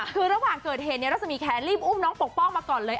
คือระหว่างเกิดเหตุในรัศมีแขนรีบอุ้มน้องปกป้องมาก่อนเลย